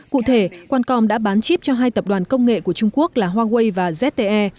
cụ thể qualcom đã bán chip cho hai tập đoàn công nghệ của trung quốc là huawei và zte